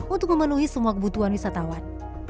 untuk memenuhi semua kebutuhan wisatawan